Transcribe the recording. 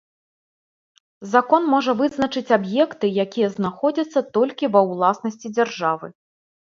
Закон можа вызначыць аб'екты, якія знаходзяцца толькі ва ўласнасці дзяржавы.